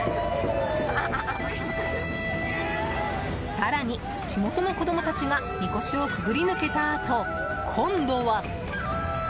更に地元の子供たちがみこしをくぐり抜けたあと今度は。